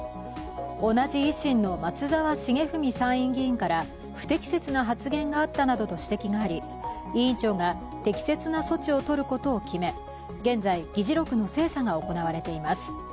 同じ維新の松沢成文参院議員から不適切な発言があったなどと指摘があり、委員長が適切な措置をとることを決め、現在、議事録の精査が行われています。